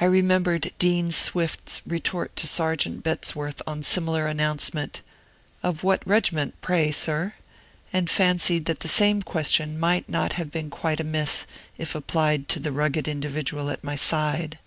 I remembered Dean Swift's retort to Sergeant Bettesworth on a similar announcement, "Of what regiment, pray, sir?" and fancied that the same question might not have been quite amiss, if applied to the rugged individual at my side.